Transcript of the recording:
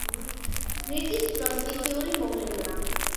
მიწისძვრა სტიქიური მოვლენაა